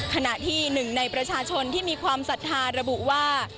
ขณะที่หนึ่งในประชาชนที่มีความศรัทธาระบุว่า